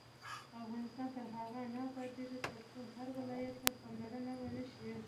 افغانستان تر هغو نه ابادیږي، ترڅو هر ولایت ته پاملرنه ونشي.